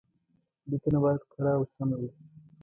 ليکنه بايد کره او سمه وي.